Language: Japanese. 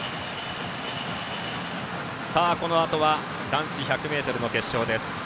このあとは男子１００ｍ決勝です。